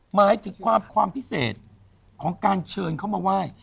หมายถึงความพิเศษของการเชิญเขามาไหว้